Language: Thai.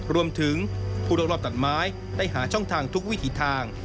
รวมถึงผู้รอบตัดไม้ได้หาช่องทางทุกวิถีทาง